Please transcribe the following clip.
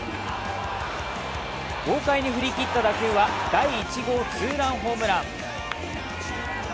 豪快に振り切った打球は第１号ツーランホームラン。